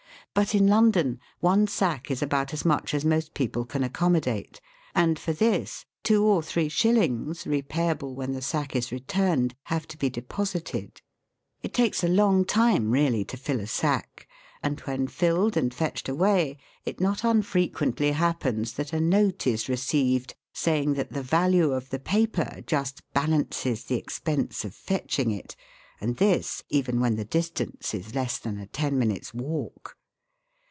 But in London one sack is about as much as most people can accom modate, and for this, two or three shillings, repayable when the sack is returned, have to be deposited ; it takes a long time really to fill a sack, and when filled and fetched away it not unfrequently happens that a note is received saying that the value of the paper just balances the expense of fetching it, and this, even when the distance is less than a ten minutes' walk.